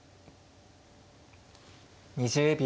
２０秒。